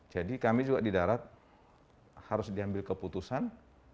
kami juga di darat harus diambil keputusan